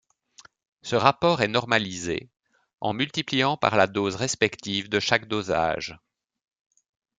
Ce rapport est normalisé en multipliant par la dose respective de chaque dosage.